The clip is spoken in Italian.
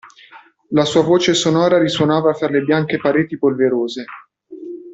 La sua voce sonora risuonava fra le bianche pareti polverose.